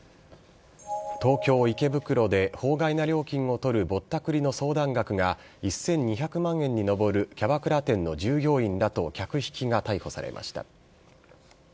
東京・池袋で法外な料金を取るぼったくりの相談額が１２００万円に上るキャバクラ店の従業員らと客引きが逮捕されました。